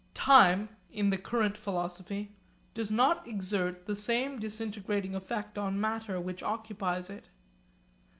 Time (in the current philosophy) does not exert the same disintegrating effect on matter which occupies it.